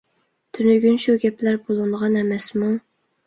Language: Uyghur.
تۈنۈگۈن شۇ گەپلەر بولۇنغان ئەمەسمۇ.